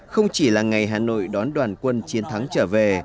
không chỉ là ngày hà nội đón đoàn quân chiến thắng trở về